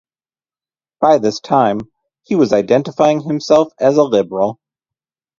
By this time, he was identifying himself as a Liberal.